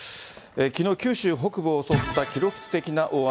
きのう、九州北部を襲った記録的な大雨。